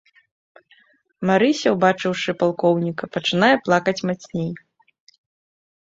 Марыся, убачыўшы палкоўніка, пачынае плакаць мацней.